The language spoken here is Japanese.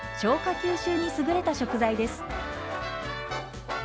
吸収に優れた食材です。